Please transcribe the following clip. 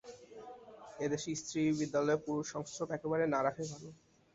এদেশে স্ত্রীবিদ্যালয়ে পুরুষ-সংস্রব একেবারে না রাখাই ভাল।